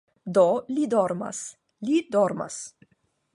- Do li dormas, li dormas